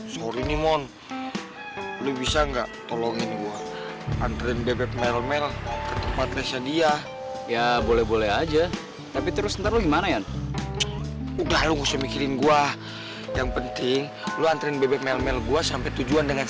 sampai jumpa di video selanjutnya